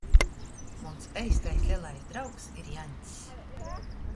Muns eistais lelais draugs ir Jaņcs.